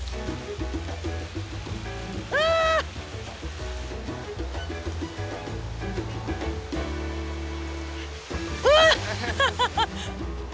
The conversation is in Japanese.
あ！うわ！ハハハ。